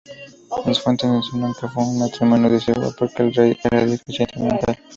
Las fuentes insinúan que fue un matrimonio desigual, porque el rey era deficiente mental.